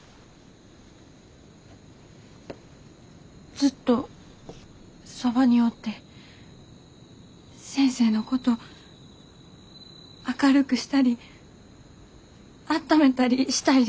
ずっとそばにおって先生のこと明るくしたりあっためたりしたいです。